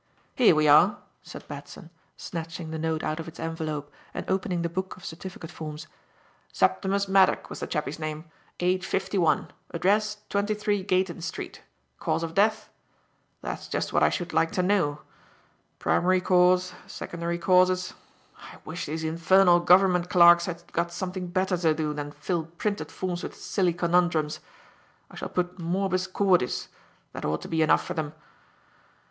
"Here we are," said Batson, snatching the note out of its envelope and opening the book of certificate forms; "Septimus Maddock was the chappie's name, age fifty one, address 23, Gayton Street, cause of death that's just what I should like to know primary cause, secondary causes I wish these infernal government clerks had got something better to do than fill printed forms with silly connundrums. I shall put "Morbus Cordis"; that ought to be enough for them.